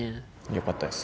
よかったです